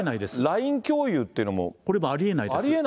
ＬＩＮＥ共有っていうのもこれありえないですよね。